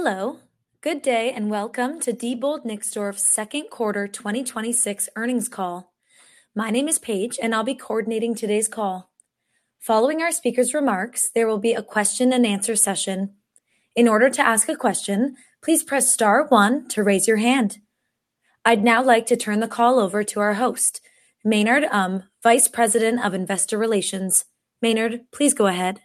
Hello. Good day, welcome to Diebold Nixdorf's Second Quarter 2026 Earnings Call. My name is Paige, I'll be coordinating today's call. Following our speakers' remarks, there will be a question-and-answer session. In order to ask a question, please press star one to raise your hand. I'd now like to turn the call over to our host, Maynard Um, Vice President of Investor Relations. Maynard, please go ahead.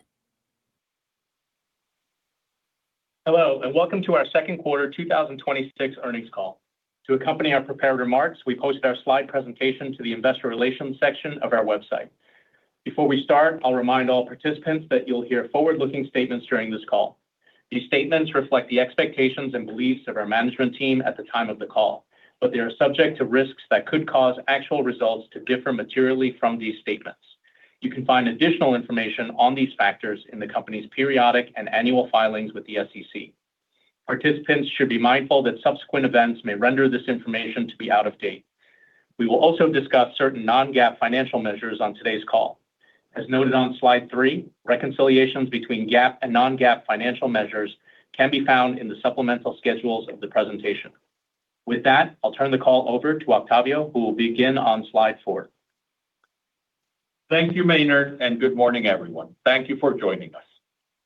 Hello, welcome to our Second Quarter 2026 Earnings Call. To accompany our prepared remarks, we posted our slide presentation to the Investor Relations section of our website. Before we start, I'll remind all participants that you'll hear forward-looking statements during this call. These statements reflect the expectations and beliefs of our management team at the time of the call, they are subject to risks that could cause actual results to differ materially from these statements. You can find additional information on these factors in the company's periodic and annual filings with the SEC. Participants should be mindful that subsequent events may render this information to be out of date. We will also discuss certain non-GAAP financial measures on today's call. As noted on slide three, reconciliations between GAAP and non-GAAP financial measures can be found in the supplemental schedules of the presentation. With that, I'll turn the call over to Octavio, who will begin on slide four. Thank you, Maynard, good morning, everyone. Thank you for joining us.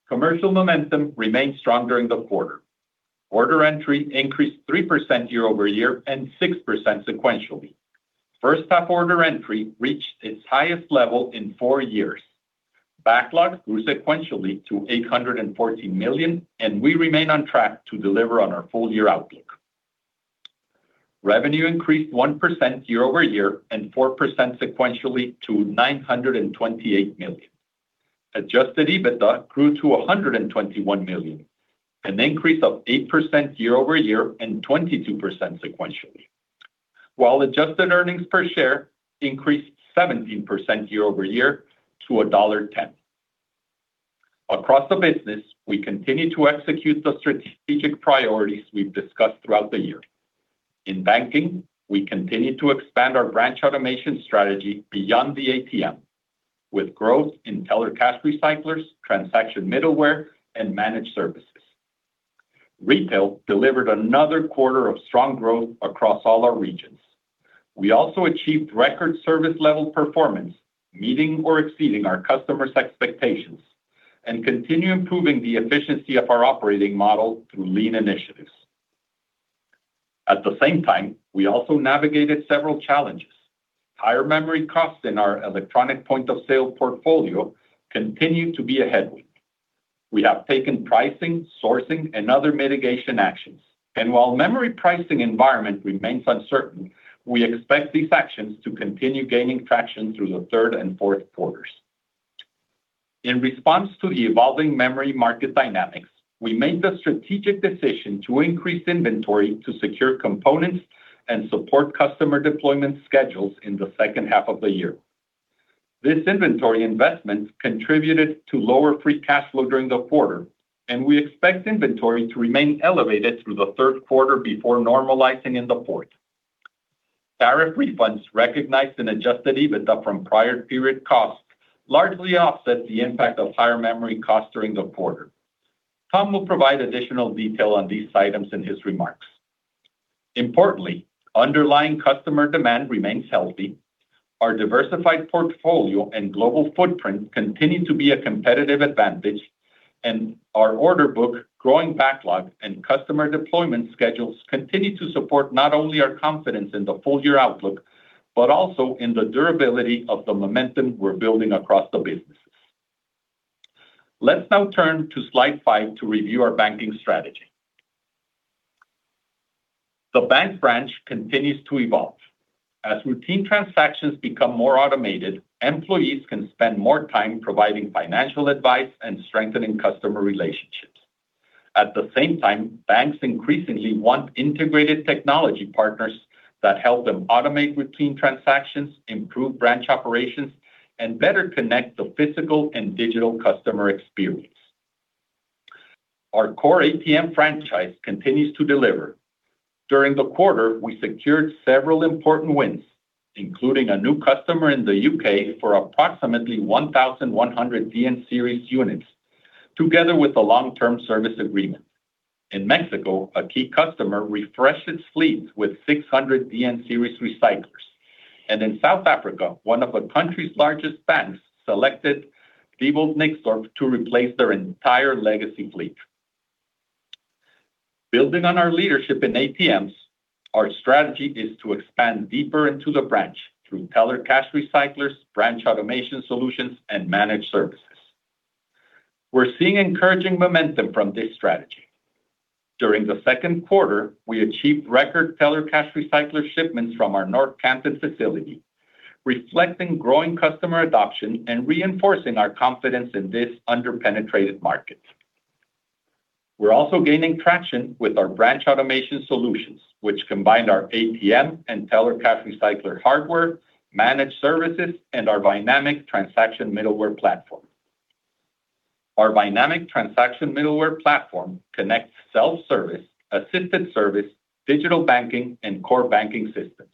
Commercial momentum remained strong during the quarter. Order entry increased 3% year-over-year 6% sequentially. First half order entry reached its highest level in four years. Backlog grew sequentially to $814 million, we remain on track to deliver on our full-year outlook. Revenue increased 1% year-over-year 4% sequentially to $928 million. Adjusted EBITDA grew to $121 million, an increase of 8% year-over-year 22% sequentially. While adjusted earnings per share increased 17% year-over-year to $1.10. Across the business, we continue to execute the strategic priorities we've discussed throughout the year. In banking, we continue to expand our branch automation strategy beyond the ATM, with growth in teller cash recyclers, transaction middleware, and managed services. Retail delivered another quarter of strong growth across all our regions. We also achieved record service level performance, meeting or exceeding our customers' expectations, and continue improving the efficiency of our operating model through lean initiatives. At the same time, we also navigated several challenges. Higher memory costs in our electronic point of sale portfolio continue to be a headwind. We have taken pricing, sourcing, and other mitigation actions, and while memory pricing environment remains uncertain, we expect these actions to continue gaining traction through the third and fourth quarters. In response to the evolving memory market dynamics, we made the strategic decision to increase inventory to secure components and support customer deployment schedules in the second half of the year. This inventory investment contributed to lower free cash flow during the quarter, and we expect inventory to remain elevated through the third quarter before normalizing in the fourth. Tariff refunds recognized in adjusted EBITDA from prior period costs largely offset the impact of higher memory costs during the quarter. Tom will provide additional detail on these items in his remarks. Importantly, underlying customer demand remains healthy. Our diversified portfolio and global footprint continue to be a competitive advantage. Our order book, growing backlog, and customer deployment schedules continue to support not only our confidence in the full-year outlook, but also in the durability of the momentum we're building across the businesses. Let's now turn to slide five to review our banking strategy. The bank branch continues to evolve. As routine transactions become more automated, employees can spend more time providing financial advice and strengthening customer relationships. At the same time, banks increasingly want integrated technology partners that help them automate routine transactions, improve branch operations, and better connect the physical and digital customer experience. Our core ATM franchise continues to deliver. During the quarter, we secured several important wins, including a new customer in the U.K. for approximately 1,100 DN Series units, together with a long-term service agreement. In Mexico, a key customer refreshed its fleet with 600 DN Series recyclers. In South Africa, one of the country's largest banks selected Diebold Nixdorf to replace their entire legacy fleet. Building on our leadership in ATMs, our strategy is to expand deeper into the branch through teller cash recyclers, branch automation solutions, and managed services. We're seeing encouraging momentum from this strategy. During the second quarter, we achieved record teller cash recycler shipments from our North Canton facility, reflecting growing customer adoption and reinforcing our confidence in this under-penetrated market. We're also gaining traction with our branch automation solutions, which combine our ATM and teller cash recycler hardware, managed services, and our Vynamic Transaction Middleware platform. Our Vynamic Transaction Middleware platform connects self-service, assisted service, digital banking, and core banking systems,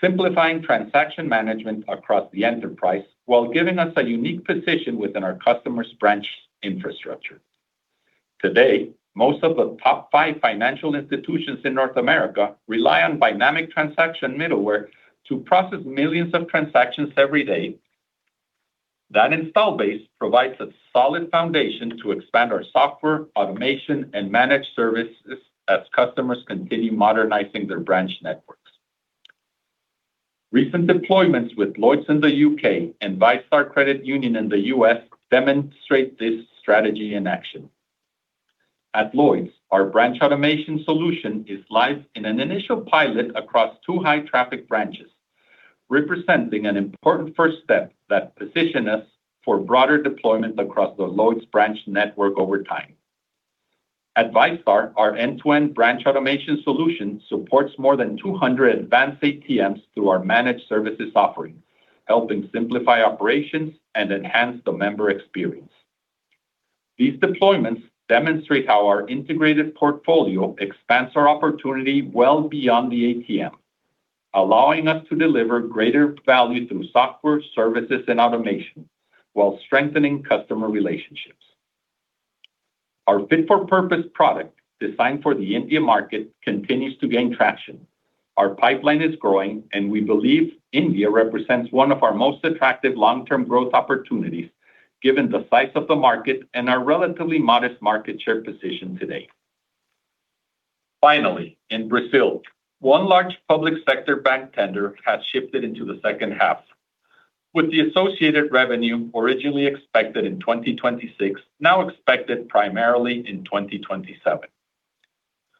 simplifying transaction management across the enterprise while giving us a unique position within our customers' branch infrastructure. Today, most of the top five financial institutions in North America rely on Vynamic Transaction Middleware to process millions of transactions every day. That install base provides a solid foundation to expand our software, automation, and managed services as customers continue modernizing their branch networks. Recent deployments with Lloyds in the U.K. and VyStar Credit Union in the U.S. demonstrate this strategy in action. At Lloyds, our branch automation solution is live in an initial pilot across two high-traffic branches, representing an important first step that positions us for broader deployment across the Lloyds branch network over time. At VyStar, our end-to-end branch automation solution supports more than 200 advanced ATMs through our managed services offering, helping simplify operations and enhance the member experience. These deployments demonstrate how our integrated portfolio expands our opportunity well beyond the ATM, allowing us to deliver greater value through software, services, and automation while strengthening customer relationships. Our fit-for-purpose product designed for the India market continues to gain traction. Our pipeline is growing, and we believe India represents one of our most attractive long-term growth opportunities given the size of the market and our relatively modest market share position today. Finally, in Brazil, one large public sector bank tender has shifted into the second half, with the associated revenue originally expected in 2026, now expected primarily in 2027.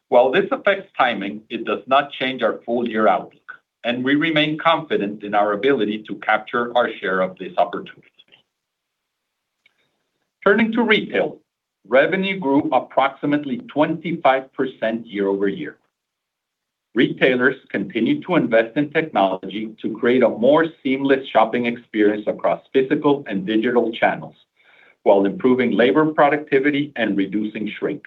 While this affects timing, it does not change our full-year outlook, and we remain confident in our ability to capture our share of this opportunity. Turning to retail, revenue grew approximately 25% year-over-year. Retailers continued to invest in technology to create a more seamless shopping experience across physical and digital channels while improving labor productivity and reducing shrink.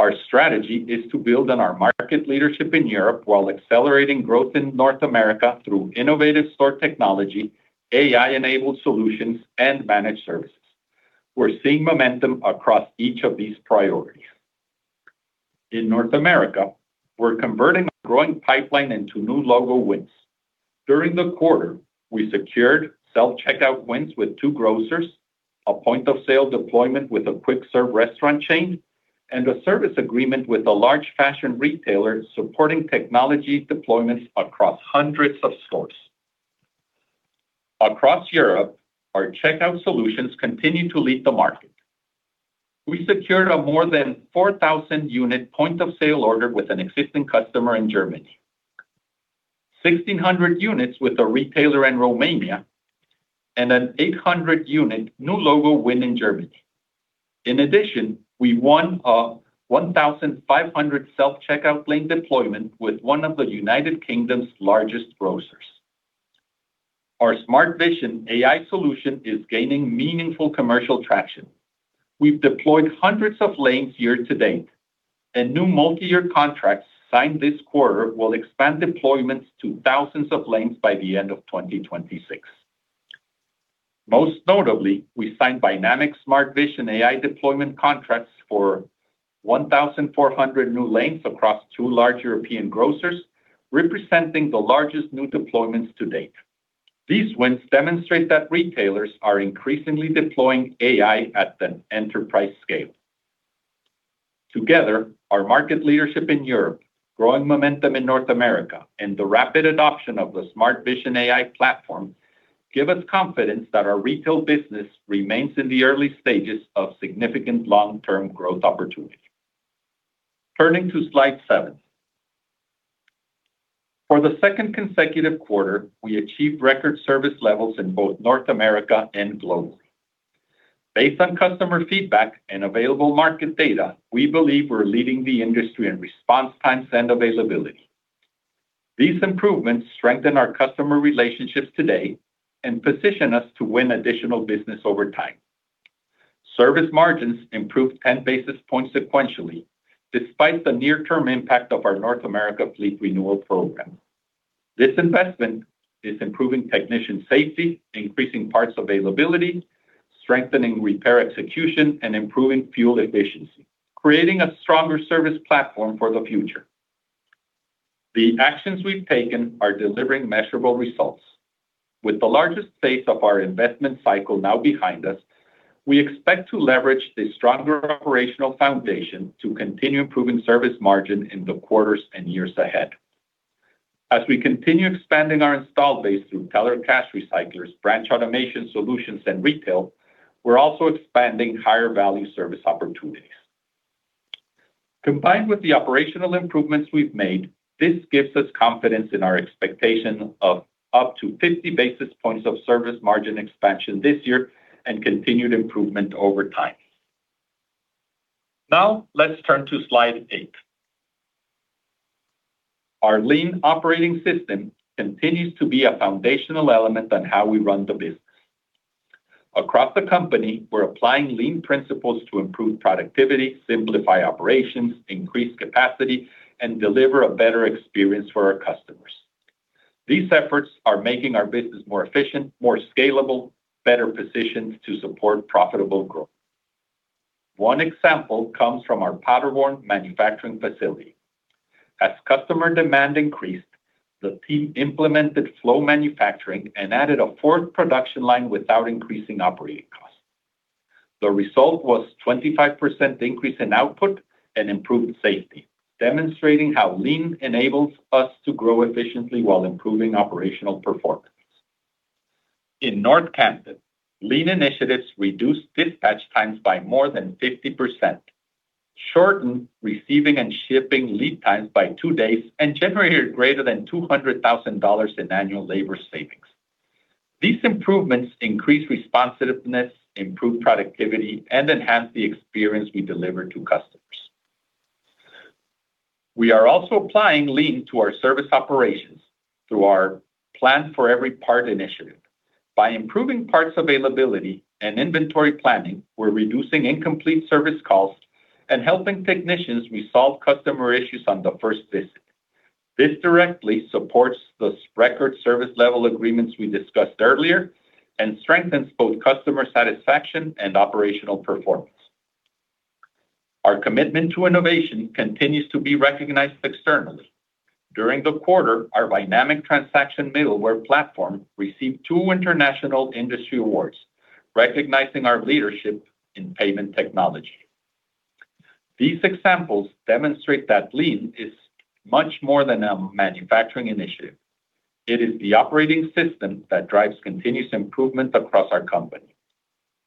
Our strategy is to build on our market leadership in Europe while accelerating growth in North America through innovative store technology, AI-enabled solutions, and managed services. We're seeing momentum across each of these priorities. In North America, we're converting a growing pipeline into new logo wins. During the quarter, we secured self-checkout wins with two grocers, a point of sale deployment with a quick-serve restaurant chain, and a service agreement with a large fashion retailer supporting technology deployments across hundreds of stores. Across Europe, our checkout solutions continue to lead the market. We secured a more than 4,000-unit point of sale order with an existing customer in Germany, 1,600 units with a retailer in Romania, and an 800-unit new logo win in Germany. In addition, we won a 1,500 self-checkout lane deployment with one of the United Kingdom's largest grocers. Our Smart Vision AI solution is gaining meaningful commercial traction. We've deployed hundreds of lanes year to date, and new multi-year contracts signed this quarter will expand deployments to thousands of lanes by the end of 2026. Most notably, we signed Vynamic Smart Vision AI deployment contracts for 1,400 new lanes across two large European grocers, representing the largest new deployments to date. These wins demonstrate that retailers are increasingly deploying AI at an enterprise scale. Together, our market leadership in Europe, growing momentum in North America, and the rapid adoption of the Smart Vision AI platform give us confidence that our retail business remains in the early stages of significant long-term growth opportunity. Turning to slide seven. For the second consecutive quarter, we achieved record service levels in both North America and globally. Based on customer feedback and available market data, we believe we're leading the industry in response times and availability. These improvements strengthen our customer relationships today and position us to win additional business over time. Service margins improved 10 basis points sequentially, despite the near-term impact of our North America fleet renewal program. This investment is improving technician safety, increasing parts availability, strengthening repair execution, and improving fuel efficiency, creating a stronger service platform for the future. The actions we've taken are delivering measurable results. With the largest phase of our investment cycle now behind us, we expect to leverage the stronger operational foundation to continue improving service margin in the quarters and years ahead. As we continue expanding our installed base through teller cash recyclers, branch automation solutions, and retail, we're also expanding higher-value service opportunities. Combined with the operational improvements we've made, this gives us confidence in our expectation of up to 50 basis points of service margin expansion this year and continued improvement over time. Let's turn to slide eight. Our lean operating system continues to be a foundational element on how we run the business. Across the company, we're applying lean principles to improve productivity, simplify operations, increase capacity, and deliver a better experience for our customers. These efforts are making our business more efficient, more scalable, better positioned to support profitable growth. One example comes from our Paderborn manufacturing facility. As customer demand increased, the team implemented flow manufacturing and added a fourth production line without increasing operating costs. The result was a 25% increase in output and improved safety, demonstrating how lean enables us to grow efficiently while improving operational performance. In North Canton, lean initiatives reduced dispatch times by more than 50%, shortened receiving and shipping lead times by two days, and generated greater than $200,000 in annual labor savings. These improvements increase responsiveness, improve productivity, and enhance the experience we deliver to customers. We are also applying lean to our service operations through our Plan For Every Part initiative. By improving parts availability and inventory planning, we're reducing incomplete service calls and helping technicians resolve customer issues on the first visit. This directly supports the record service level agreements we discussed earlier and strengthens both customer satisfaction and operational performance. Our commitment to innovation continues to be recognized externally. During the quarter, our Vynamic Transaction Middleware platform received two international industry awards recognizing our leadership in payment technology. These examples demonstrate that lean is much more than a manufacturing initiative. It is the operating system that drives continuous improvement across our company.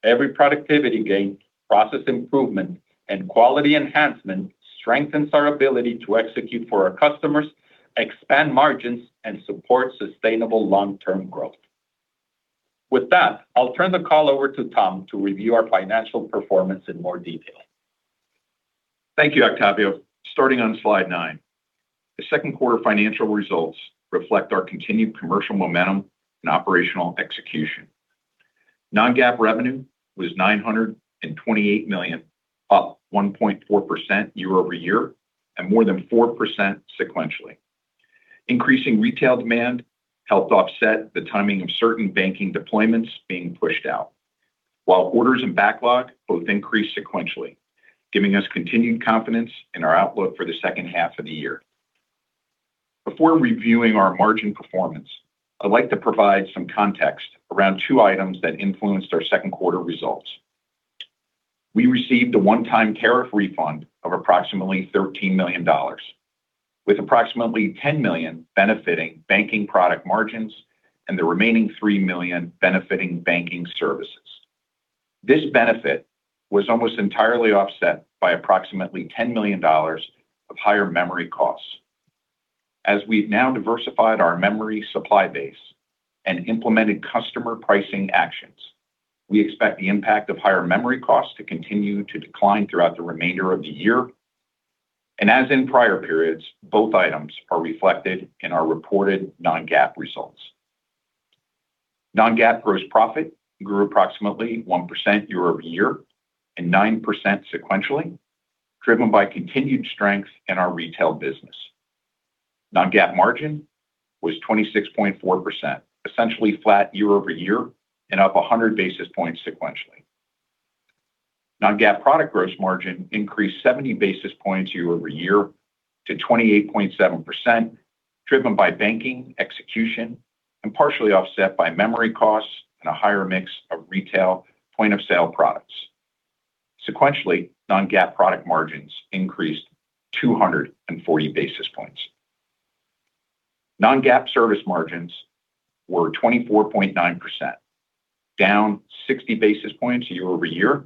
Every productivity gain, process improvement, and quality enhancement strengthens our ability to execute for our customers, expand margins, and support sustainable long-term growth. With that, I'll turn the call over to Tom to review our financial performance in more detail. Thank you, Octavio. Starting on slide nine, the second quarter financial results reflect our continued commercial momentum and operational execution. Non-GAAP revenue was $928 million, up 1.4% year-over-year, and more than 4% sequentially. Increasing retail demand helped offset the timing of certain banking deployments being pushed out, while orders and backlog both increased sequentially, giving us continued confidence in our outlook for the second half of the year. Before reviewing our margin performance, I'd like to provide some context around two items that influenced our second quarter results. We received a one-time tariff refund of approximately $13 million, with approximately $10 million benefiting banking product margins and the remaining $3 million benefiting banking services. This benefit was almost entirely offset by approximately $10 million of higher memory costs. As we've now diversified our memory supply base and implemented customer pricing actions, we expect the impact of higher memory costs to continue to decline throughout the remainder of the year. As in prior periods, both items are reflected in our reported non-GAAP results. Non-GAAP gross profit grew approximately 1% year-over-year and 9% sequentially, driven by continued strength in our retail business. Non-GAAP margin was 26.4%, essentially flat year-over-year and up 100 basis points sequentially. Non-GAAP product gross margin increased 70 basis points year-over-year to 28.7%, driven by banking execution and partially offset by memory costs and a higher mix of retail point of sale products. Sequentially, non-GAAP product margins increased 240 basis points. Non-GAAP service margins were 24.9%, down 60 basis points year-over-year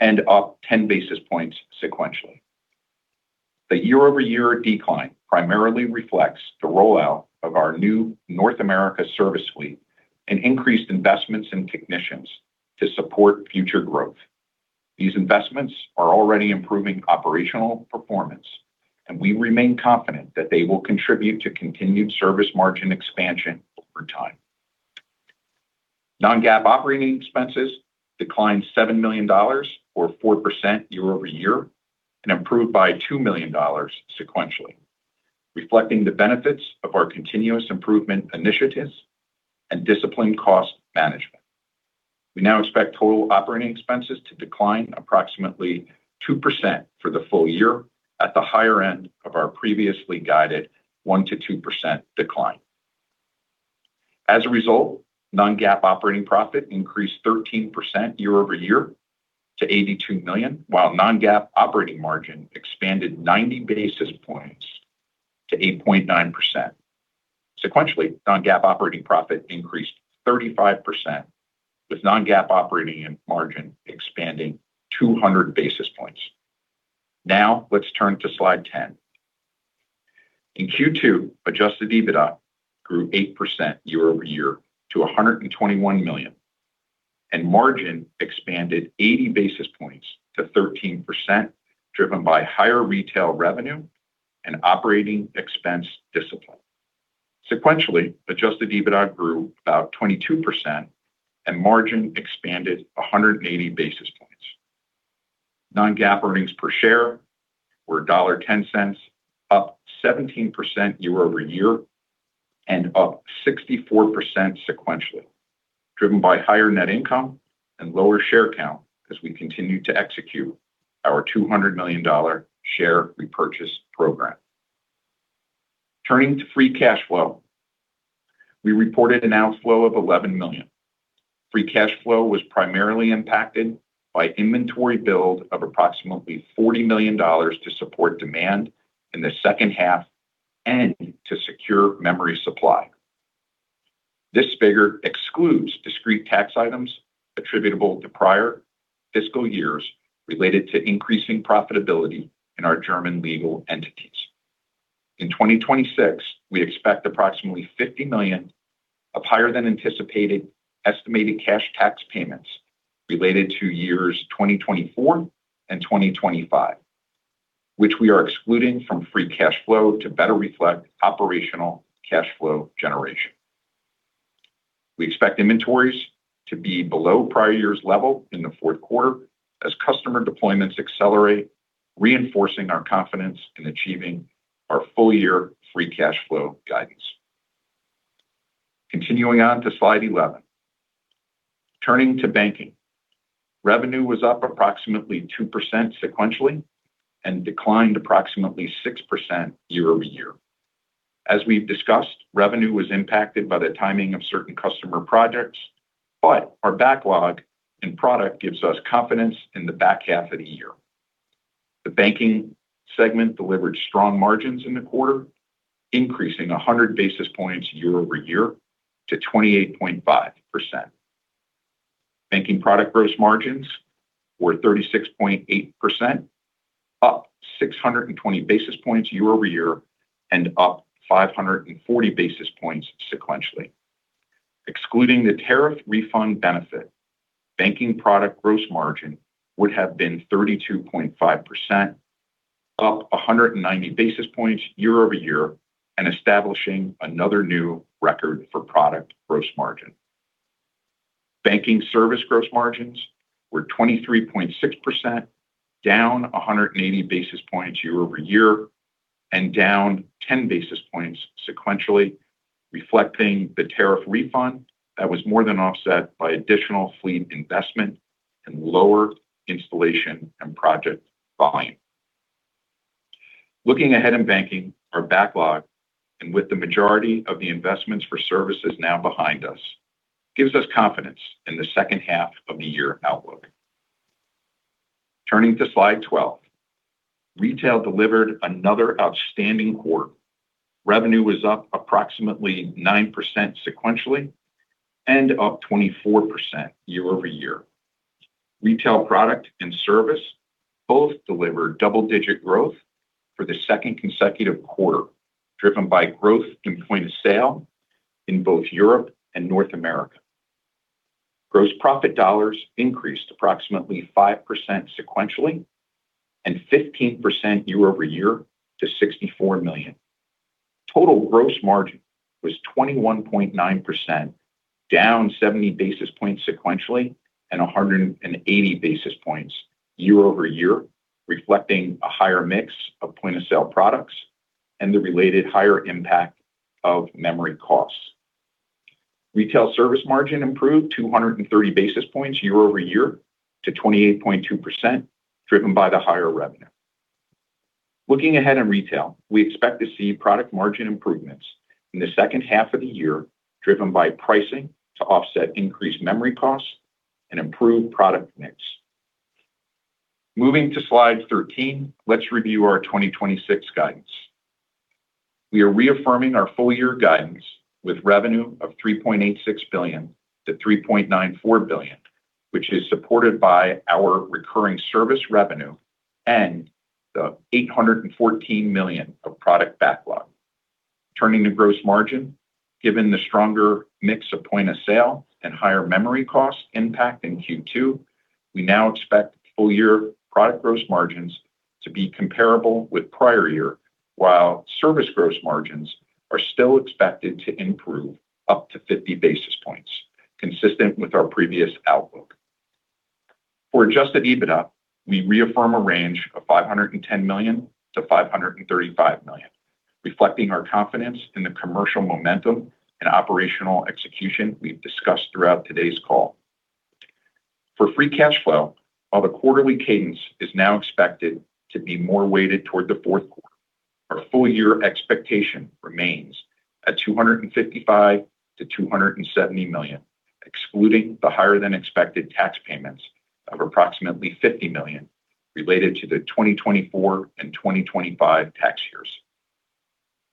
and up 10 basis points sequentially. The year-over-year decline primarily reflects the rollout of our new North America service suite and increased investments in technicians to support future growth. These investments are already improving operational performance, and we remain confident that they will contribute to continued service margin expansion over time. Non-GAAP operating expenses declined $7 million, or 4% year-over-year, and improved by $2 million sequentially, reflecting the benefits of our continuous improvement initiatives and disciplined cost management. We now expect total operating expenses to decline approximately 2% for the full year at the higher end of our previously guided 1%-2% decline. As a result, non-GAAP operating profit increased 13% year-over-year to $82 million, while non-GAAP operating margin expanded 90 basis points to 8.9%. Sequentially, non-GAAP operating profit increased 35%, with non-GAAP operating margin expanding 200 basis points. Let's turn to slide 10. In Q2, adjusted EBITDA grew 8% year-over-year to $121 million, and margin expanded 80 basis points to 13%, driven by higher retail revenue and operating expense discipline. Sequentially, adjusted EBITDA grew about 22%, and margin expanded 180 basis points. Non-GAAP earnings per share were $1.10, up 17% year-over-year and up 64% sequentially, driven by higher net income and lower share count as we continue to execute our $200 million share repurchase program. Turning to free cash flow, we reported an outflow of $11 million. Free cash flow was primarily impacted by inventory build of approximately $40 million to support demand in the second half and to secure memory supply. This figure excludes discrete tax items attributable to prior fiscal years related to increasing profitability in our German legal entities. In 2026, we expect approximately $50 million of higher-than-anticipated estimated cash tax payments related to years 2024 and 2025, which we are excluding from free cash flow to better reflect operational cash flow generation. We expect inventories to be below prior year's level in the fourth quarter as customer deployments accelerate, reinforcing our confidence in achieving our full-year free cash flow guidance. Continuing on to slide 11. Turning to banking. Revenue was up approximately 2% sequentially and declined approximately 6% year-over-year. Our backlog and product gives us confidence in the back half of the year. The banking segment delivered strong margins in the quarter, increasing 100 basis points year-over-year to 28.5%. Banking product gross margins were 36.8%, up 620 basis points year-over-year and up 540 basis points sequentially. Excluding the tariff refund benefit, banking product gross margin would have been 32.5%, up 190 basis points year-over-year and establishing another new record for product gross margin. Banking service gross margins were 23.6%, down 180 basis points year-over-year, and down 10 basis points sequentially, reflecting the tariff refund that was more than offset by additional fleet investment and lower installation and project volume. Looking ahead in banking, our backlog, and with the majority of the investments for services now behind us, gives us confidence in the second half of the year outlook. Turning to slide 12. Retail delivered another outstanding quarter. Revenue was up approximately 9% sequentially and up 24% year-over-year. Retail product and service both delivered double-digit growth for the second consecutive quarter, driven by growth in point of sale in both Europe and North America. Gross profit dollars increased approximately 5% sequentially and 15% year-over-year to $64 million. Total gross margin was 21.9%, down 70 basis points sequentially and 180 basis points year-over-year, reflecting a higher mix of point of sale products and the related higher impact of memory costs. Retail service margin improved 230 basis points year-over-year to 28.2%, driven by the higher revenue. Looking ahead in retail, we expect to see product margin improvements in the second half of the year, driven by pricing to offset increased memory costs and improved product mix. Moving to slide 13, let's review our 2026 guidance. We are reaffirming our full year guidance with revenue of $3.86 billion-$3.94 billion, which is supported by our recurring service revenue and the $814 million of product backlog. Turning to gross margin, given the stronger mix of point of sale and higher memory cost impact in Q2, we now expect full-year product gross margins to be comparable with prior year, while service gross margins are still expected to improve up to 50 basis points, consistent with our previous outlook. For adjusted EBITDA, we reaffirm a range of $510 million-$535 million, reflecting our confidence in the commercial momentum and operational execution we've discussed throughout today's call. For free cash flow, while the quarterly cadence is now expected to be more weighted toward the fourth quarter, our full year expectation remains at $255 million-$270 million, excluding the higher-than-expected tax payments of approximately $50 million related to the 2024 and 2025 tax years.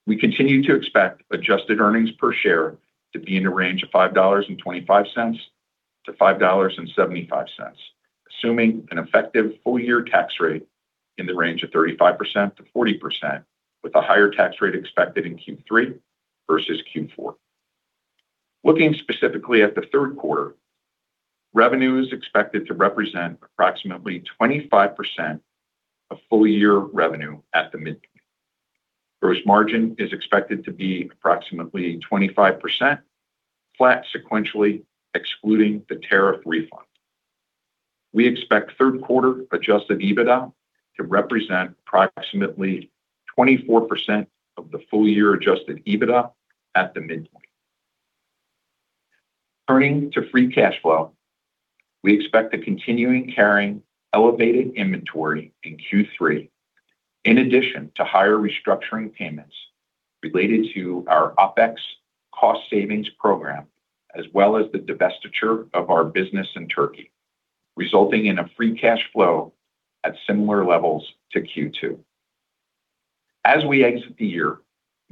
We continue to expect adjusted earnings per share to be in the range of $5.25 to $5.75, assuming an effective full-year tax rate in the range of 35%-40%, with a higher tax rate expected in Q3 versus Q4. Looking specifically at the third quarter, revenue is expected to represent approximately 25% of full-year revenue at the midpoint. Gross margin is expected to be approximately 25%, flat sequentially, excluding the tariff refund. We expect third quarter adjusted EBITDA to represent approximately 24% of the full-year adjusted EBITDA at the midpoint. Turning to free cash flow, we expect a continuing carrying elevated inventory in Q3. In addition to higher restructuring payments related to our OPEX cost savings program, as well as the divestiture of our business in Turkey, resulting in a free cash flow at similar levels to Q2. As we exit the year,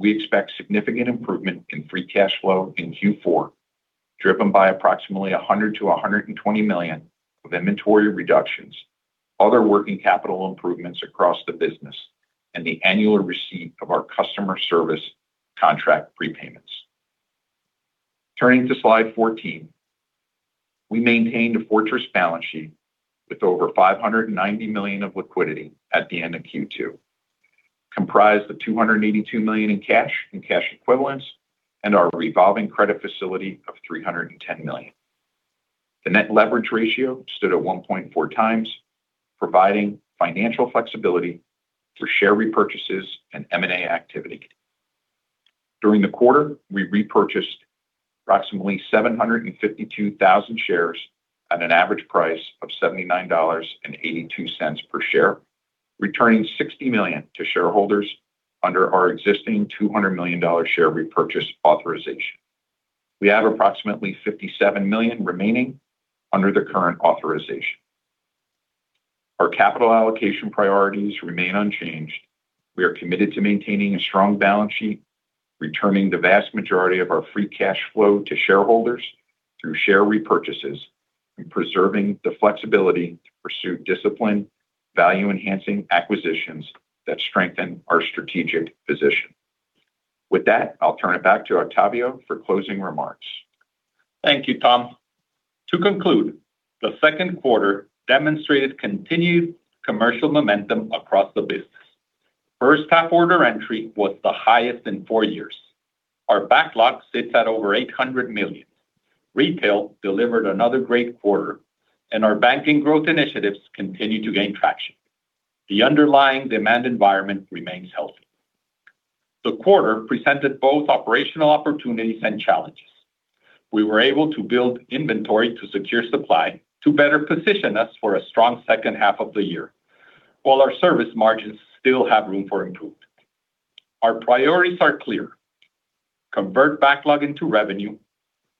we expect significant improvement in free cash flow in Q4, driven by approximately $100 million-$120 million of inventory reductions, other working capital improvements across the business, and the annual receipt of our customer service contract prepayments. Turning to slide 14. We maintained a fortress balance sheet with over $590 million of liquidity at the end of Q2, comprised of $282 million in cash and cash equivalents and our revolving credit facility of $310 million. The net leverage ratio stood at 1.4x, providing financial flexibility through share repurchases and M&A activity. During the quarter, we repurchased approximately 752,000 shares at an average price of $79.82 per share, returning $60 million to shareholders under our existing $200 million share repurchase authorization. We have approximately $57 million remaining under the current authorization. Our capital allocation priorities remain unchanged. We are committed to maintaining a strong balance sheet, returning the vast majority of our free cash flow to shareholders through share repurchases and preserving the flexibility to pursue discipline, value-enhancing acquisitions that strengthen our strategic position. With that, I'll turn it back to Octavio for closing remarks. Thank you, Tom. To conclude, the second quarter demonstrated continued commercial momentum across the business. First-half order entry was the highest in four years. Our backlog sits at over $800 million. Retail delivered another great quarter, and our banking growth initiatives continue to gain traction. The underlying demand environment remains healthy. The quarter presented both operational opportunities and challenges. We were able to build inventory to secure supply to better position us for a strong second half of the year, while our service margins still have room for improvement. Our priorities are clear. Convert backlog into revenue,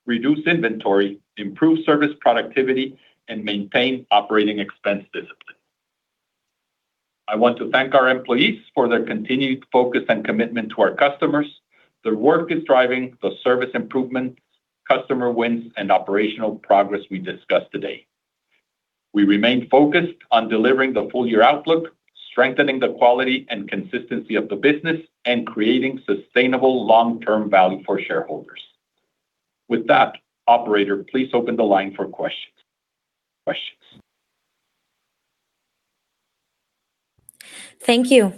reduce inventory, improve service productivity, and maintain operating expense discipline. I want to thank our employees for their continued focus and commitment to our customers. Their work is driving the service improvements, customer wins, and operational progress we discussed today. We remain focused on delivering the full-year outlook, strengthening the quality and consistency of the business, and creating sustainable long-term value for shareholders. With that, operator, please open the line for questions. Thank you.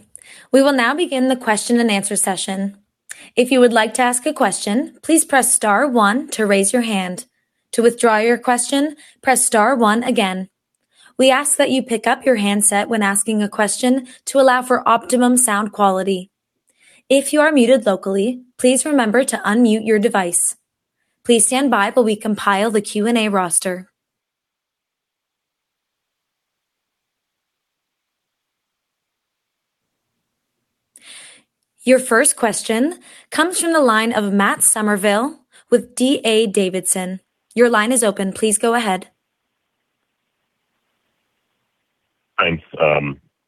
We will now begin the question-and-answer session. If you would like to ask a question, please press star one to raise your hand. To withdraw your question, press star one again. We ask that you pick up your handset when asking a question to allow for optimum sound quality. If you are muted locally, please remember to unmute your device. Please stand by while we compile the Q&A roster. Your first question comes from the line of Matt Summerville with D.A. Davidson. Your line is open. Please go ahead. Thanks.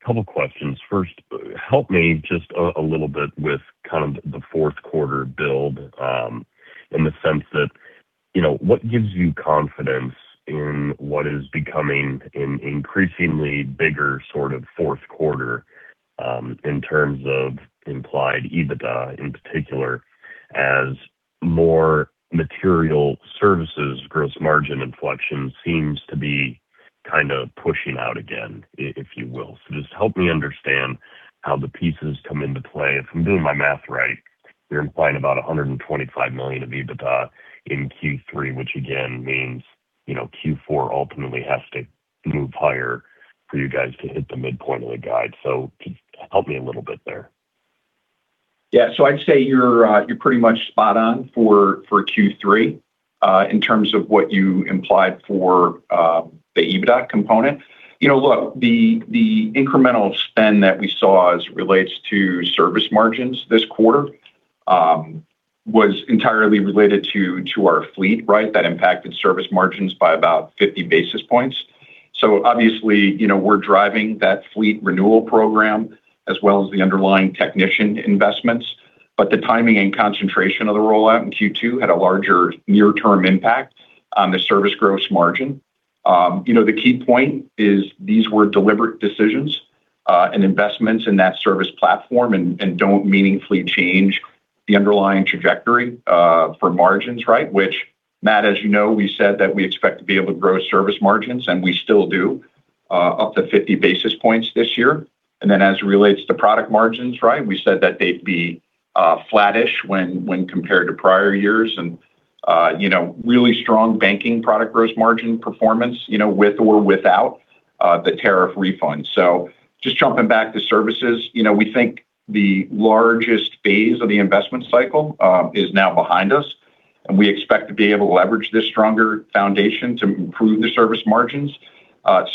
Couple questions. First, help me just a little bit with kind of the fourth quarter build, in the sense that, what gives you confidence in what is becoming an increasingly bigger sort of fourth quarter, in terms of implied EBITDA in particular, as more material services gross margin inflection seems to be kind of pushing out again, if you will. Just help me understand how the pieces come into play. If I'm doing my math right, you're implying about $125 million of EBITDA in Q3, which again means Q4 ultimately has to move higher for you guys to hit the midpoint of the guide. Just help me a little bit there. I'd say you're pretty much spot on for Q3, in terms of what you implied for the EBITDA component. Look, the incremental spend that we saw as relates to service margins this quarter, was entirely related to our fleet. That impacted service margins by about 50 basis points. Obviously, we're driving that fleet renewal program as well as the underlying technician investments, but the timing and concentration of the rollout in Q2 had a larger near-term impact on the service gross margin. The key point is these were deliberate decisions and investments in that service platform and don't meaningfully change the underlying trajectory for margins, right? Which, Matt, as you know, we said that we expect to be able to grow service margins, and we still do, up to 50 basis points this year. As it relates to product margins, we said that they'd be flattish when compared to prior years. Really strong banking product gross margin performance with or without the tariff refund. Just jumping back to services, we think the largest phase of the investment cycle is now behind us, and we expect to be able to leverage this stronger foundation to improve the service margins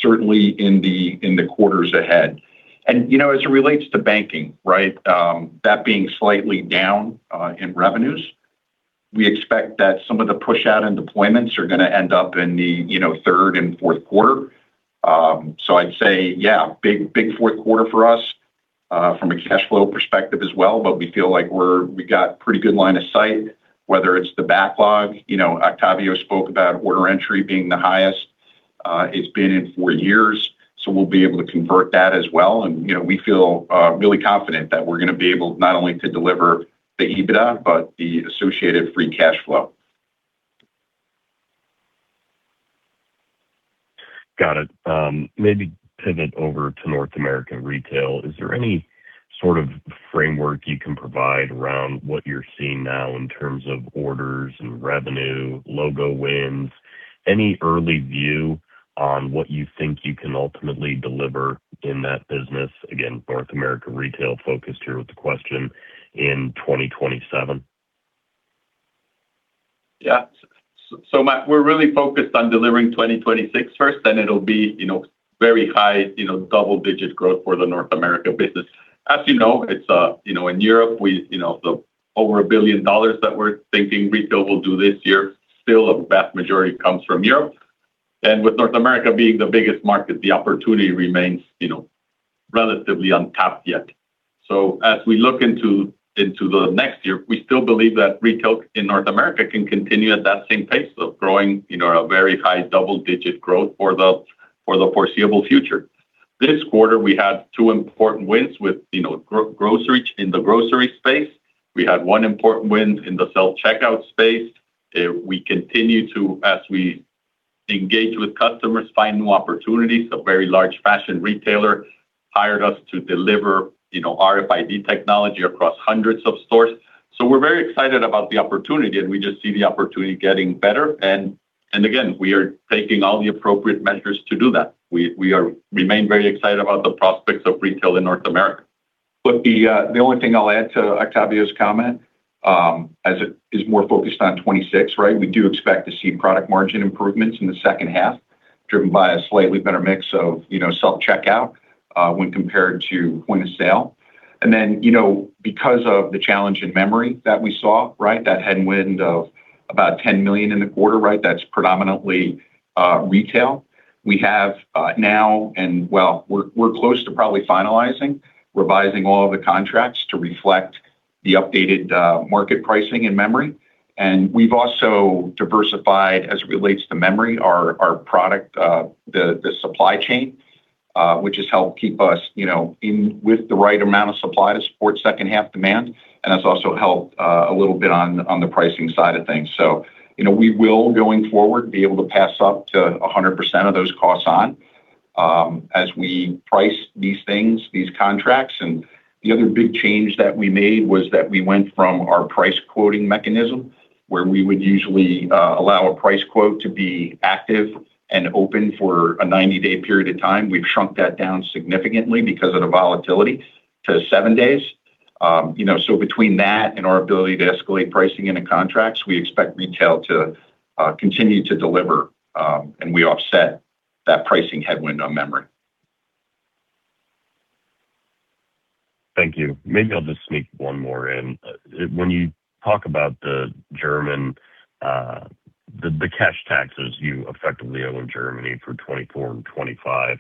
certainly in the quarters ahead. As it relates to banking, that being slightly down in revenues, we expect that some of the pushout and deployments are going to end up in the third and fourth quarter. I'd say, big fourth quarter for us from a cash flow perspective as well, but we feel like we got pretty good line of sight, whether it's the backlog. Octavio spoke about order entry being the highest it's been in four years. We'll be able to convert that as well. We feel really confident that we're going to be able not only to deliver the EBITDA, but the associated free cash flow. Got it. Maybe pivot over to North American retail. Is there any sort of framework you can provide around what you're seeing now in terms of orders and revenue, logo wins? Any early view on what you think you can ultimately deliver in that business, again, North America retail focused here with the question, in 2027? Matt, we're really focused on delivering 2026 first. It'll be very high, double-digit growth for the North America business. As you know, in Europe, the over $1 billion that we're thinking retail will do this year, still a vast majority comes from Europe. With North America being the biggest market, the opportunity remains relatively untapped yet. As we look into the next year, we still believe that retail in North America can continue at that same pace of growing a very high double-digit growth for the foreseeable future. This quarter, we had two important wins in the grocery space. We had one important win in the self-checkout space. We continue to, as we engage with customers, find new opportunities. A very large fashion retailer hired us to deliver RFID technology across hundreds of stores. We're very excited about the opportunity. We just see the opportunity getting better. Again, we are taking all the appropriate measures to do that. We remain very excited about the prospects of retail in North America. The only thing I'll add to Octavio's comment, as it is more focused on 2026, we do expect to see product margin improvements in the second half, driven by a slightly better mix of self-checkout when compared to point of sale. Because of the challenge in memory that we saw, that headwind of about $10 million in the quarter, that's predominantly retail. We have now, we're close to probably finalizing, revising all of the contracts to reflect the updated market pricing in memory. We've also diversified, as it relates to memory, our product, the supply chain, which has helped keep us in with the right amount of supply to support second half demand, and that's also helped a little bit on the pricing side of things. We will, going forward, be able to pass up to 100% of those costs on as we price these things, these contracts. The other big change that we made was that we went from our price quoting mechanism, where we would usually allow a price quote to be active and open for a 90-day period of time. We've shrunk that down significantly because of the volatility to seven days. Between that and our ability to escalate pricing into contracts, we expect retail to continue to deliver, and we offset that pricing headwind on memory. Thank you. Maybe I'll just sneak one more in. When you talk about the cash taxes you effectively owe in Germany for 2024 and 2025,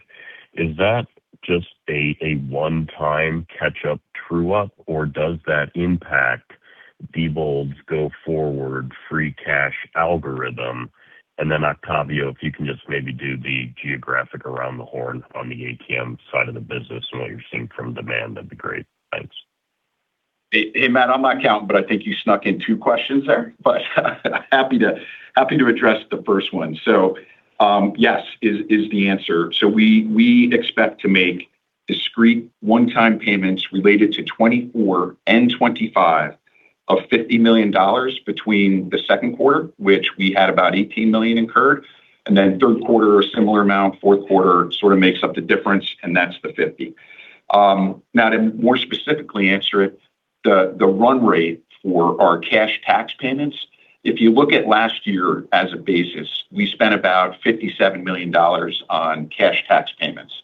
is that just a one-time catch-up true-up, or does that impact Diebold's go-forward free cash algorithm? Octavio, if you can just maybe do the geographic around the horn on the ATM side of the business and what you're seeing from demand would be great. Thanks. Hey, Matt, I'm not counting, I think you snuck in two questions there, but happy to address the first one. Yes is the answer. We expect to make discrete one-time payments related to 2024 and 2025 of $50 million between the second quarter, which we had about $18 million incurred, third quarter, a similar amount, fourth quarter sort of makes up the difference, and that's the $50 million. To more specifically answer it, the run rate for our cash tax payments, if you look at last year as a basis, we spent about $57 million on cash tax payments.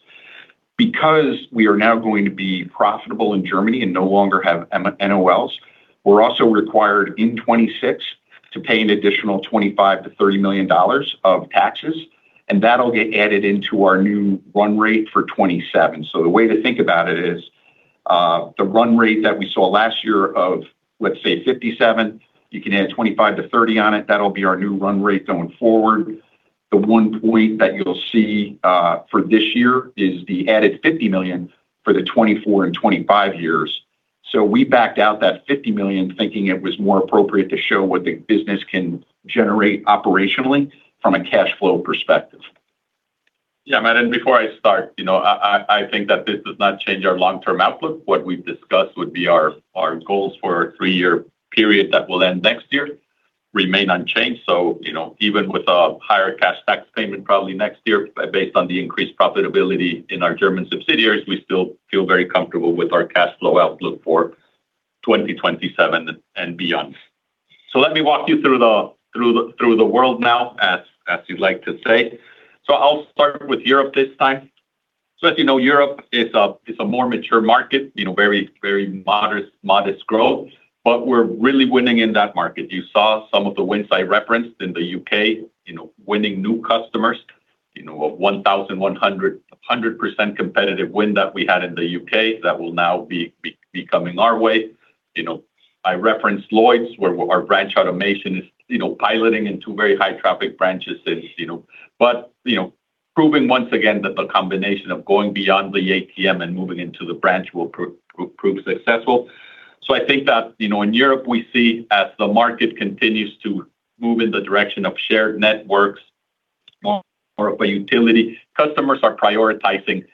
Because we are now going to be profitable in Germany and no longer have NOLs, we're also required in 2026 to pay an additional $25 million to $30 million of taxes, and that'll get added into our new run rate for 2027. The way to think about it is the run rate that we saw last year of, let's say $57 million, you can add $25 million-$30 million on it. That will be our new run rate going forward. The one point that you'll see for this year is the added $50 million for the 2024 and 2025 years. We backed out that $50 million thinking it was more appropriate to show what the business can generate operationally from a cash flow perspective. Matt, before I start, I think that this does not change our long-term outlook. What we've discussed would be our goals for a three-year period that will end next year remain unchanged. Even with a higher cash tax payment probably next year, based on the increased profitability in our German subsidiaries, we still feel very comfortable with our cash flow outlook for 2027 and beyond. Let me walk you through the world now, as you'd like to say. I'll start with Europe this time. As you know, Europe is a more mature market, very modest growth, but we're really winning in that market. You saw some of the wins I referenced in the U.K., winning new customers, a 100% competitive win that we had in the U.K. that will now be coming our way. I referenced Lloyds, where our branch automation is piloting in two very high-traffic branches since. Proving once again that the combination of going beyond the ATM and moving into the branch will prove successful. I think that, in Europe, we see as the market continues to move in the direction of shared networks or by utility, customers are prioritizing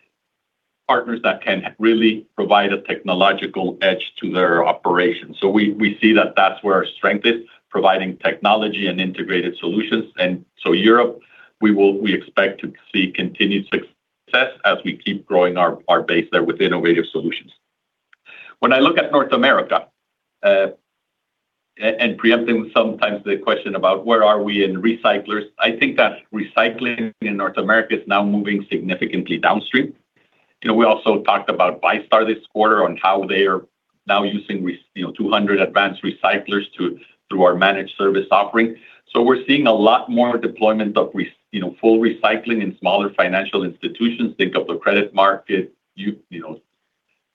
partners that can really provide a technological edge to their operations. We see that that's where our strength is, providing technology and integrated solutions. Europe, we expect to see continued success as we keep growing our base there with innovative solutions. When I look at North America, and preempting sometimes the question about where are we in recyclers, I think that recycling in North America is now moving significantly downstream. We also talked about VyStar this quarter on how they are now using 200 advanced recyclers through our managed service offering. We're seeing a lot more deployment of full recycling in smaller financial institutions. Think of the credit market,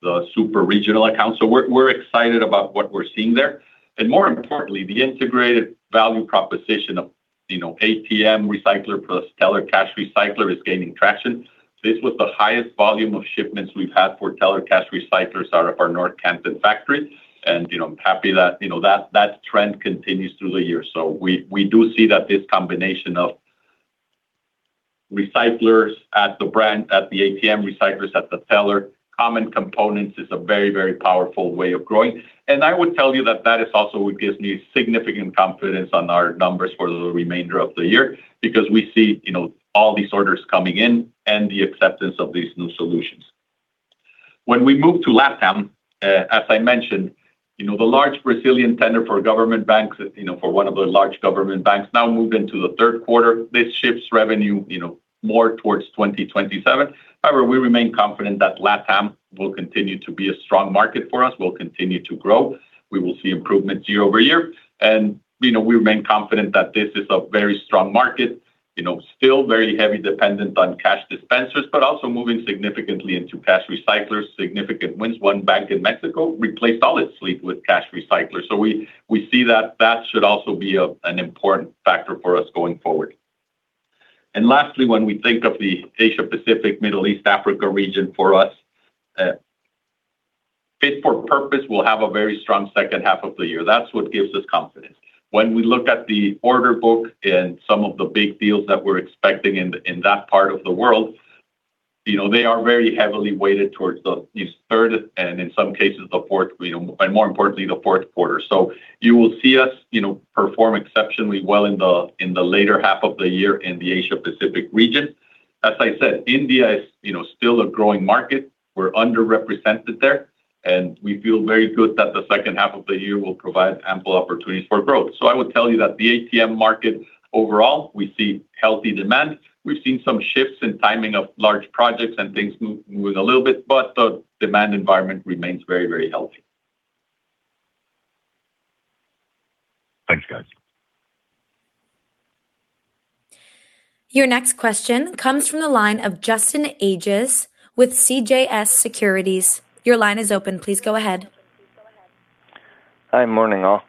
the super-regional accounts. We're excited about what we're seeing there. More importantly, the integrated value proposition of ATM recycler plus teller cash recyclers is gaining traction. This was the highest volume of shipments we've had for teller cash recyclers out of our North Canton factory. I'm happy that trend continues through the year. We do see that this combination of recyclers at the branch, at the ATM recyclers, at the teller, common components is a very, very powerful way of growing. I would tell you that that also gives me significant confidence on our numbers for the remainder of the year because we see all these orders coming in and the acceptance of these new solutions. When we move to LATAM, as I mentioned, the large Brazilian tender for one of the large government banks now moved into the third quarter. This shifts revenue more towards 2027. However, we remain confident that LATAM will continue to be a strong market for us. We'll continue to grow. We will see improvement year-over-year. We remain confident that this is a very strong market. Still very heavy dependent on cash dispensers, but also moving significantly into cash recyclers. Significant wins. One bank in Mexico replaced all its fleet with cash recyclers. We see that that should also be an important factor for us going forward. Lastly, when we think of the Asia-Pacific, Middle East, Africa region for us, fit-for-purpose will have a very strong second half of the year. That's what gives us confidence. When we look at the order book and some of the big deals that we're expecting in that part of the world, they are very heavily weighted towards the third, and more importantly, the fourth quarter. You will see us perform exceptionally well in the later half of the year in the Asia-Pacific region. As I said, India is still a growing market. We're underrepresented there, and we feel very good that the second half of the year will provide ample opportunities for growth. I would tell you that the ATM market overall, we see healthy demand. We've seen some shifts in timing of large projects and things moving a little bit, but the demand environment remains very, very healthy. Thanks, guys. Your next question comes from the line of Justin Ages with CJS Securities. Your line is open. Please go ahead. Hi, morning all.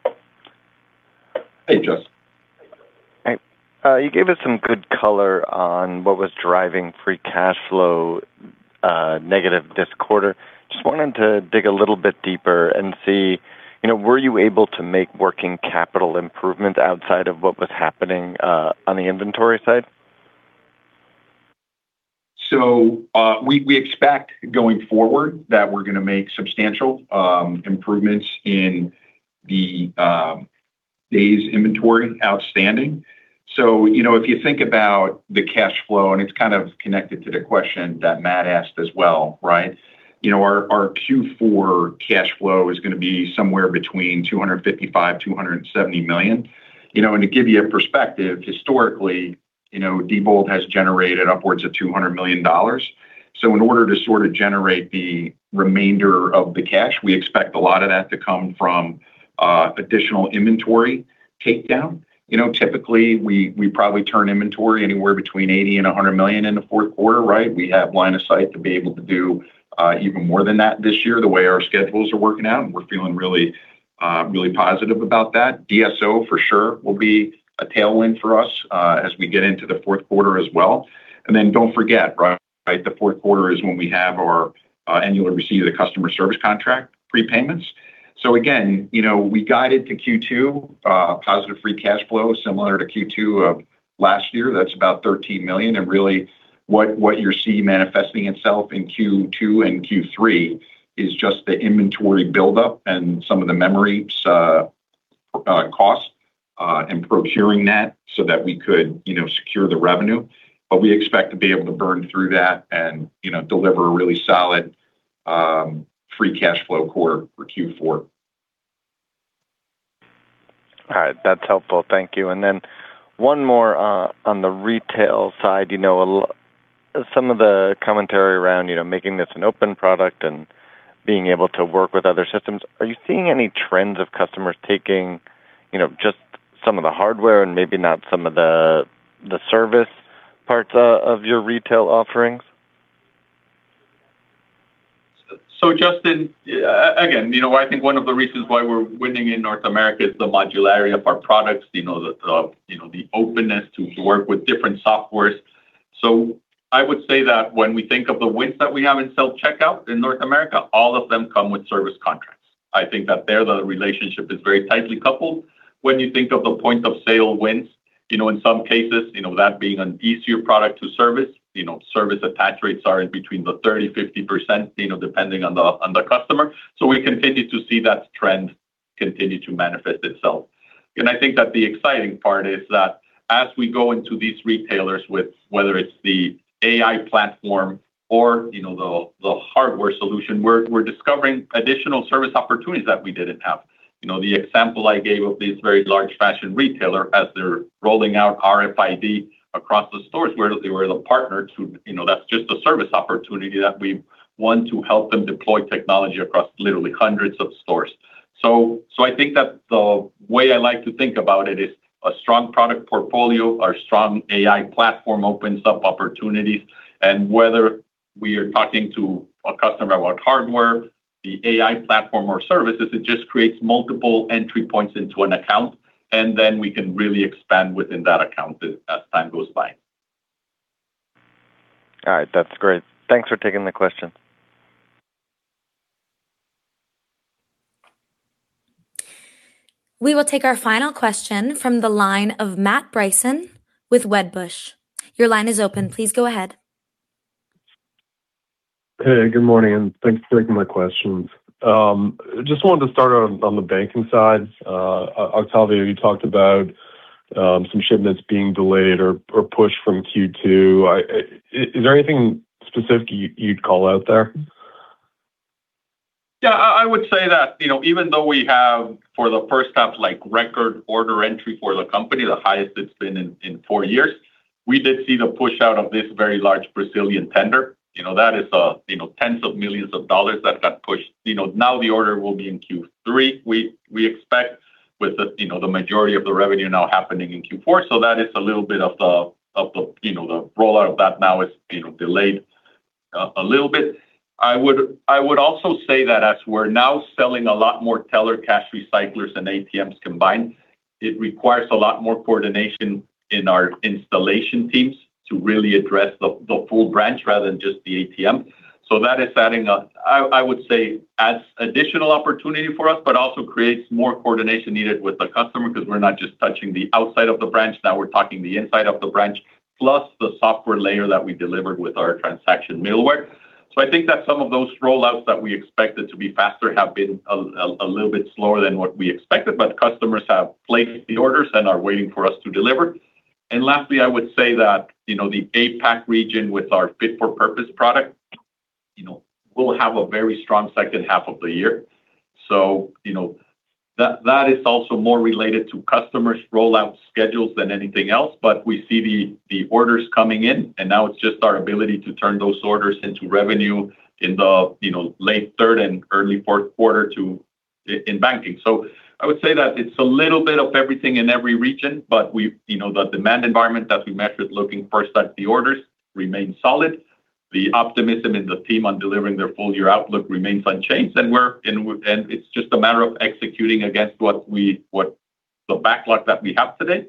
Hey, Justin. Hi. You gave us some good color on what was driving free cash flow negative this quarter. Just wanted to dig a little bit deeper and see, were you able to make working capital improvements outside of what was happening on the inventory side? We expect going forward that we're going to make substantial improvements in the days' inventory outstanding. If you think about the cash flow, and it's kind of connected to the question that Matt asked as well, right? Our Q4 cash flow is going to be somewhere between $255 million-$270 million. To give you a perspective, historically, Diebold has generated upwards of $200 million. In order to sort of generate the remainder of the cash, we expect a lot of that to come from additional inventory takedown. Typically, we probably turn inventory anywhere between $80 million and $100 million in the fourth quarter, right? We have line of sight to be able to do even more than that this year, the way our schedules are working out, and I'm really positive about that. DSO for sure will be a tailwind for us as we get into the fourth quarter as well. Don't forget, the fourth quarter is when we have our annual receipt of the customer service contract prepayments. Again, we guided to Q2, positive free cash flow, similar to Q2 of last year. That's about $13 million. Really what you're seeing manifesting itself in Q2 and Q3 is just the inventory buildup and some of the memory costs and procuring that so that we could secure the revenue. We expect to be able to burn through that and deliver a really solid free cash flow quarter for Q4. All right, that's helpful. Thank you. One more on the retail side. Some of the commentary around making this an open product and being able to work with other systems. Are you seeing any trends of customers taking just some of the hardware and maybe not some of the service parts of your retail offerings? Justin, again, I think one of the reasons why we're winning in North America is the modularity of our products, the openness to work with different softwares. I would say that when we think of the wins that we have in self-checkout in North America, all of them come with service contracts. I think that there, the relationship is very tightly coupled. When you think of the point of sale wins, in some cases, that being an easier product to service attach rates are in between the 30%-50% depending on the customer. We continue to see that trend continue to manifest itself. I think that the exciting part is that as we go into these retailers, whether it's the AI platform or the hardware solution, we're discovering additional service opportunities that we didn't have. The example I gave of this very large fashion retailer, as they're rolling out RFID across the stores where they were the partner to, that's just a service opportunity that we won to help them deploy technology across literally hundreds of stores. I think that the way I like to think about it is a strong product portfolio. Our strong AI platform opens up opportunities and whether we are talking to a customer about hardware, the AI platform or services, it just creates multiple entry points into an account, and then we can really expand within that account as time goes by. All right. That's great. Thanks for taking the question. We will take our final question from the line of Matt Bryson with Wedbush. Your line is open. Please go ahead. Hey, good morning, and thanks for taking my questions. Just wanted to start on the banking side. Octavio, you talked about some shipments being delayed or pushed from Q2. Is there anything specific you'd call out there? I would say that even though we have for the first half, record order entry for the company, the highest it's been in four years, we did see the push out of this very large Brazilian tender. That is $tens of millions that got pushed. The order will be in Q3. We expect with the majority of the revenue now happening in Q4. That is a little bit of the rollout of that now is delayed a little bit. I would also say that as we're now selling a lot more teller cash recyclers and ATMs combined, it requires a lot more coordination in our installation teams to really address the full branch rather than just the ATM. That is adding, I would say, adds additional opportunity for us, but also creates more coordination needed with the customer because we're not just touching the outside of the branch, now we're talking the inside of the branch, plus the software layer that we delivered with our Transaction Middleware. I think that some of those rollouts that we expected to be faster have been a little bit slower than what we expected, but customers have placed the orders and are waiting for us to deliver. Lastly, I would say that, the APAC region with our fit-for-purpose product, will have a very strong second half of the year. That is also more related to customers' rollout schedules than anything else. We see the orders coming in, and now it's just our ability to turn those orders into revenue in the late third and early fourth quarter in banking. I would say that it's a little bit of everything in every region, but the demand environment that we measured looking first at the orders remains solid. The optimism in the team on delivering their full-year outlook remains unchanged, and it's just a matter of executing against the backlog that we have today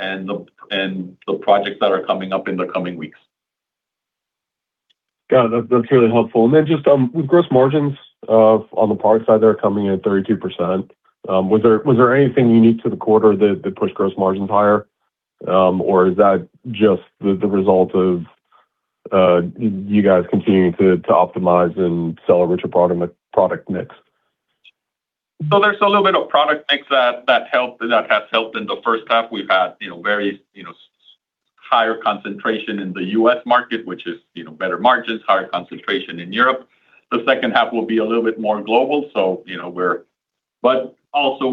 and the projects that are coming up in the coming weeks. Got it. That's really helpful. Then just with gross margins on the product side, they're coming in at 32%. Was there anything unique to the quarter that pushed gross margins higher? Is that just the result of you guys continuing to optimize and sell a richer product mix? There's a little bit of product mix that has helped in the first half. We've had very higher concentration in the U.S. market, which is better margins, higher concentration in Europe. The second half will be a little bit more global. Also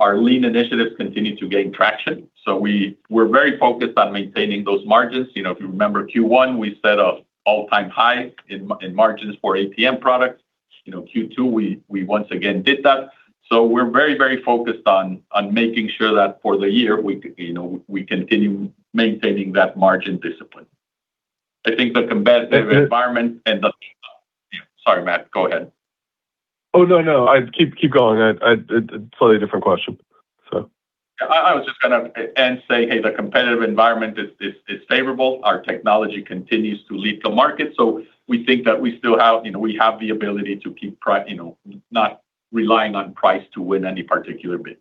our lean initiatives continue to gain traction. We're very focused on maintaining those margins. If you remember Q1, we set an all-time high in margins for ATM products. Q2, we once again did that. We're very focused on making sure that for the year we continue maintaining that margin discipline. I think the competitive environment. Sorry, Matt, go ahead. Oh, no. Keep going. Slightly different question. I was just going to end say, "Hey, the competitive environment is favorable. Our technology continues to lead the market. We think that we have the ability to keep not relying on price to win any particular bid.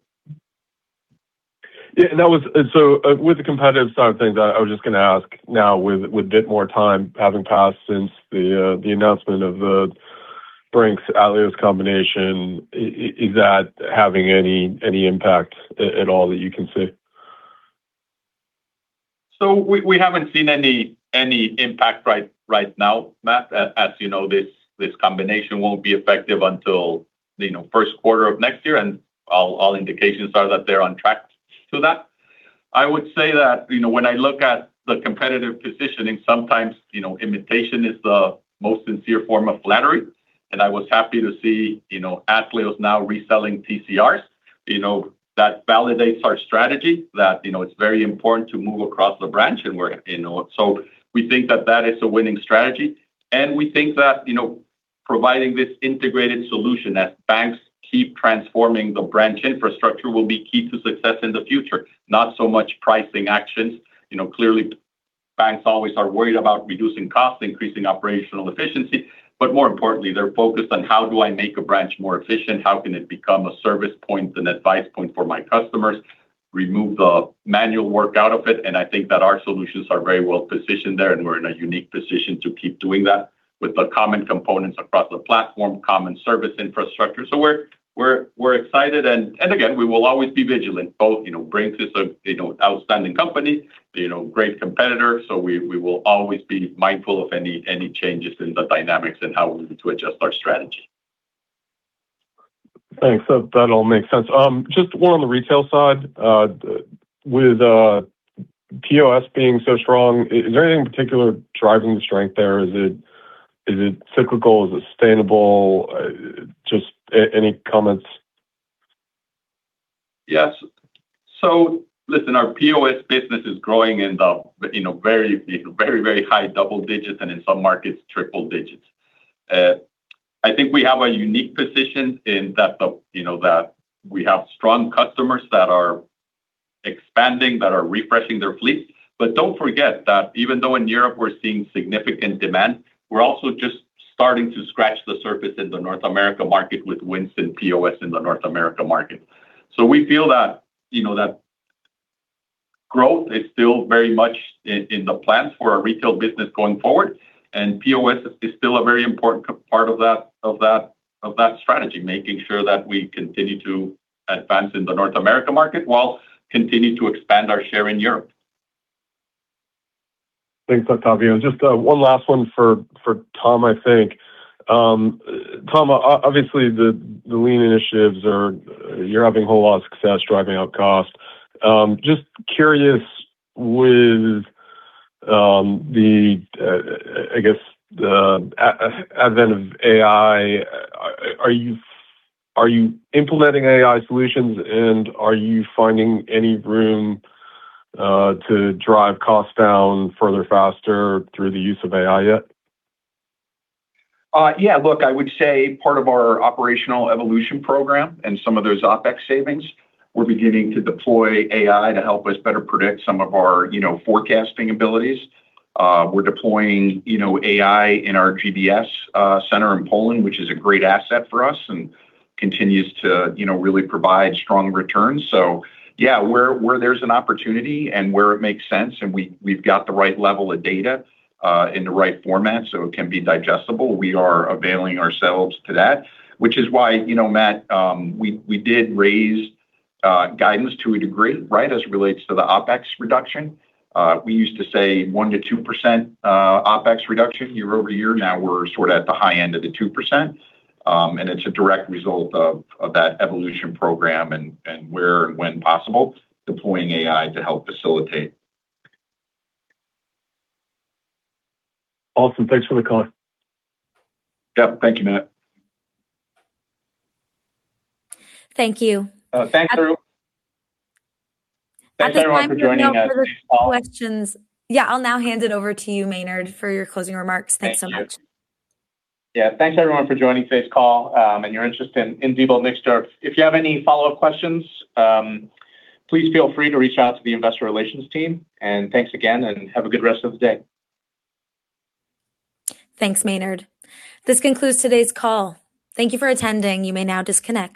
Yeah. With the competitive side of things, I was just going to ask now with a bit more time having passed since the announcement of the Brink's-Atleos combination, is that having any impact at all that you can see? We haven't seen any impact right now, Matt. As you know, this combination won't be effective until first quarter of next year, and all indications are that they're on track to that. I would say that when I look at the competitive positioning, sometimes imitation is the most sincere form of flattery, and I was happy to see Atleos now reselling TCRs. That validates our strategy that it's very important to move across the branch. We think that is a winning strategy and we think that providing this integrated solution as banks keep transforming the branch infrastructure will be key to success in the future, not so much pricing actions. Clearly, banks always are worried about reducing costs, increasing operational efficiency, but more importantly, they're focused on how do I make a branch more efficient? How can it become a service point, an advice point for my customers? Remove the manual work out of it. I think that our solutions are very well-positioned there, and we're in a unique position to keep doing that with the common components across the platform, common service infrastructure. We're excited and again, we will always be vigilant. outstanding company, great competitor. We will always be mindful of any changes in the dynamics and how we need to adjust our strategy. Thanks. That all makes sense. Just one on the retail side. With POS being so strong, is there anything in particular driving the strength there? Is it cyclical? Is it sustainable? Just any comments. Yes. Listen, our POS business is growing in the very, very high double digits and in some markets, triple digits. I think we have a unique position in that we have strong customers that are expanding, that are refreshing their fleet. Don't forget that even though in Europe we're seeing significant demand, we're also just starting to scratch the surface in the North America market with wins in POS in the North America market. We feel that growth is still very much in the plans for our retail business going forward, and POS is still a very important part of that strategy, making sure that we continue to advance in the North America market while continue to expand our share in Europe. Thanks, Octavio. Just one last one for Tom. Tom, obviously, the lean initiatives, you're having a whole lot of success driving out cost. Just curious with the advent of AI, are you implementing AI solutions and are you finding any room to drive costs down further, faster through the use of AI yet? Look, I would say part of our operational evolution program and some of those OPEX savings, we're beginning to deploy AI to help us better predict some of our forecasting abilities. We're deploying AI in our GBS center in Poland, which is a great asset for us and continues to really provide strong returns. Where there's an opportunity and where it makes sense and we've got the right level of data in the right format so it can be digestible, we are availing ourselves to that. Which is why, Matt, we did raise guidance to a degree as it relates to the OPEX reduction. We used to say 1%-2% OPEX reduction year-over-year. Now we're sort at the high end of the 2%, and it's a direct result of that evolution program and where and when possible, deploying AI to help facilitate. Awesome. Thanks for the call. Yep. Thank you, Matt. Thank you. Thanks, everyone. Thanks, everyone, for joining us. I think time for now for the questions. Yeah, I'll now hand it over to you, Maynard, for your closing remarks. Thanks so much. Thanks, everyone, for joining today's call, and your interest in Diebold Nixdorf. If you have any follow-up questions, please feel free to reach out to the Investor Relations team. Thanks again, and have a good rest of the day. Thanks, Maynard. This concludes today's call. Thank you for attending. You may now disconnect.